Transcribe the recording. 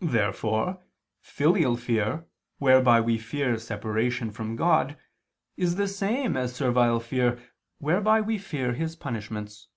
Therefore filial fear, whereby we fear separation from God, is the same as servile fear whereby we fear His punishments.